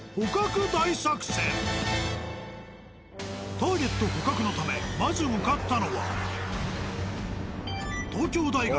ターゲット捕獲のためまず向かったのは。